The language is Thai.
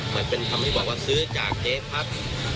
เหมือนเป็นคำที่บอกว่าซื้อจากเจ๊พัด